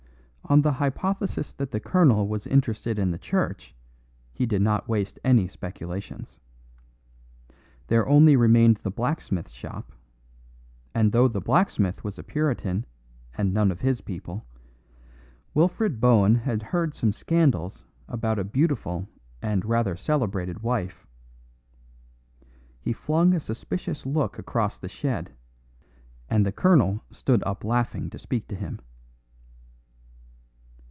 On the hypothesis that the colonel was interested in the church he did not waste any speculations. There only remained the blacksmith's shop, and though the blacksmith was a Puritan and none of his people, Wilfred Bohun had heard some scandals about a beautiful and rather celebrated wife. He flung a suspicious look across the shed, and the colonel stood up laughing to speak to him.